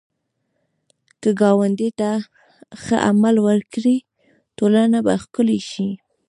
که ګاونډي ته ښه عمل وکړې، ټولنه به ښکلې شي